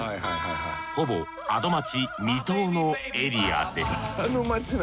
ほぼ「アド街」未踏のエリアです。